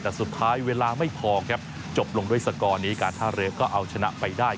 แต่สุดท้ายเวลาไม่พอครับจบลงด้วยสกอร์นี้การท่าเรือก็เอาชนะไปได้